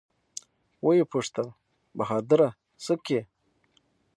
ويې پوښتل بهادره سه کې.